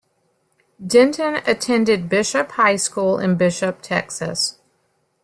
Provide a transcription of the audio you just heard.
Denton attended Bishop High School in Bishop, Texas.